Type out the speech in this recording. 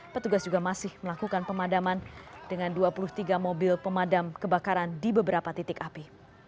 petugas juga masih melakukan pemadaman dengan dua puluh tiga mobil pemadam kebakaran di beberapa titik api